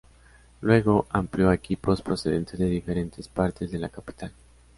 Luego amplió a equipos procedentes de diferentes partes de la capital.